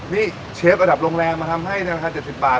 นี่เชฟระดับโรงแรมมาทำให้ในราคา๗๐บาท